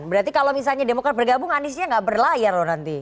berarti kalau misalnya demokrat bergabung aniesnya nggak berlayar loh nanti